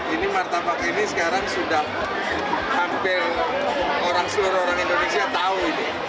ini martabak ini sekarang sudah hampir seluruh orang indonesia tahu ini